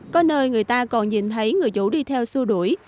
có nơi người ta còn nhìn thấy người chủ đi theo xua đuổi